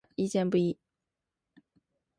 社会舆论对人大释法意见不一。